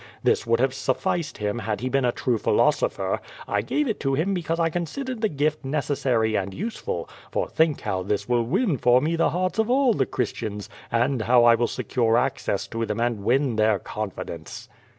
This would have sufficed him had he been a true philosopher. I gave it to him because I considered the gift necessaiy and useful; for think how this will win for me the hearts of all the Christians, and how I will secure access to them and win their confidence."